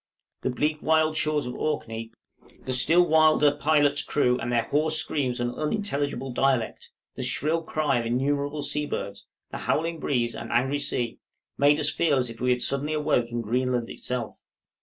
The bleak wild shores of Orkney, the still wilder pilot's crew, and their hoarse screams and unintelligible dialect, the shrill cry of innumerable sea birds, the howling breeze and angry sea, made us feel as if we had suddenly awoke in Greenland itself.